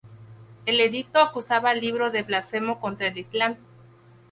El edicto acusaba al libro de "blasfemo contra el Islam".